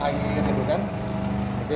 itu ministry bunyi aja yine